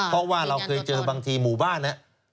เพราะว่าเราเคยเจอบางทีหมู่บ้านเนี่ย